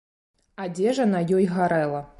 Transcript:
Адзежа на ёй гарэла.